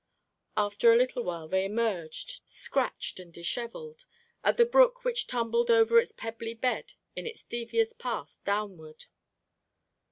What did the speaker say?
After a little while they emerged, scratched and dishevelled, at the brook which tumbled over its pebbly bed in its devious path downward.